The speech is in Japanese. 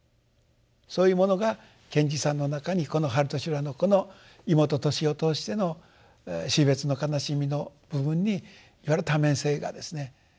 そういうものが賢治さんの中にこの「春と修羅」のこの妹トシを通しての死別の悲しみの部分にいわゆる多面性がですね